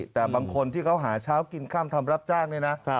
แต่บางคนที่เขาหาเช้ากินค่ำทำรับจ้างนี่นะ